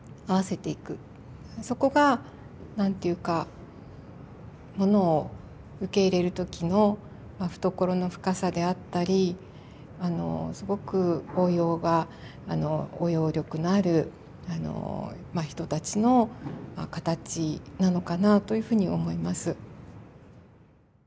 そこが何て言うかものを受け入れる時の懐の深さであったりすごく包容が包容力のある人たちの形なのかなというふうに思います。